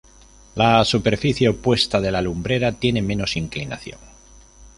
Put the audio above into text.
La superficie opuesta de la lumbrera tiene menos inclinación.